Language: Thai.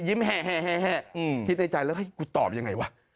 ยิ้มเฮ้ทิ้งในใจแล้วให้กูตอบยังไงวะ